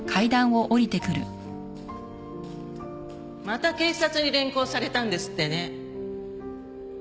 また警察に連行されたんですってね